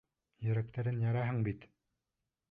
Йөрәктәрен яраһың бит!